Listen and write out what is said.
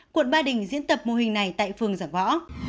quận ba đình diễn tập mô hình này tại phường giả võ